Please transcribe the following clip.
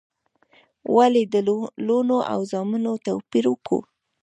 ولي د لوڼو او زامنو توپیر وکو؟